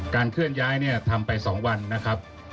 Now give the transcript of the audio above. เคลื่อนย้ายเนี่ยทำไป๒วันนะครับ